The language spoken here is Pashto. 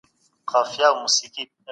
اقتصادي بندیزونه څنګه اغېز کوي؟